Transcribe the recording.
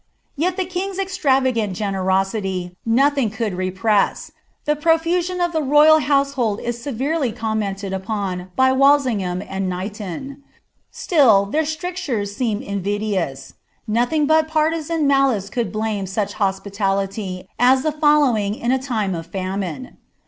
Yet the king's extravagant generosity nothing could repren; lbcpr> fusion of the royal household is severely coinin«utt>d upon by Wtten^ ham aiid Knightou, Sidl, their elriciure« seem invidtotis; noiliinf tal partisan malice could blame such hoepitality as the foUowinf is a uv of fsniine.